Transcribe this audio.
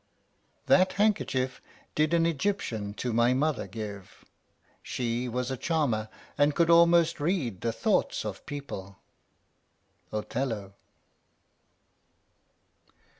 That handkerchief Did an Egyptian to my mother give; She was a charmer, and could almost read The thoughts of people. _Othello.